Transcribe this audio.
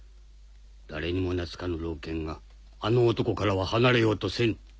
誰にも懐かぬ老犬があの男からは離れようとせん。